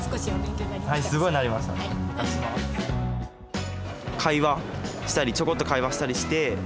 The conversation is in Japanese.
会話したりちょこっと会話したりして。